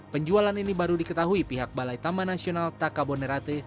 penjualan ini baru diketahui pihak balai taman nasional takabonerate